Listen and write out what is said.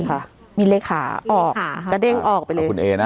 ยค่ะมีอะไรขาออกเลยเด้งออกไปดอย่างของคุณนเองนะ